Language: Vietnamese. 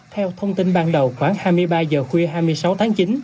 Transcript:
theo thông tin ban đầu khoảng hai mươi ba h khuya hai mươi sáu tháng chín